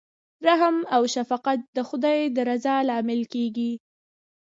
رحم او شفقت د خدای د رضا لامل کیږي.